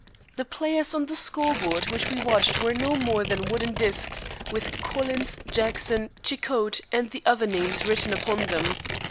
The players on the Scoreboard which we watched were no more than wooden disks with "Collins," "Jackson," "Cicotte" and the other names written upon them.